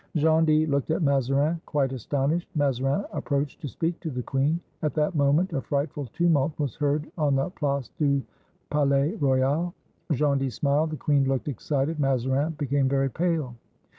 Gondy looked at Mazarin, quite astonished. Mazarin approached to speak to the queen. At that moment a frightful tumult was heard on the Place du Palais Royal. Gondy smiled, the queen looked excited, Mazarin became very pale.